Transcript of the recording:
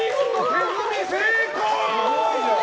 手積み成功！